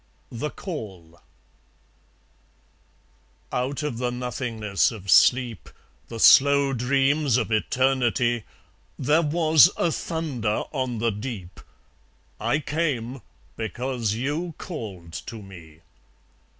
The Call Out of the nothingness of sleep, The slow dreams of Eternity, There was a thunder on the deep: I came, because you called to me.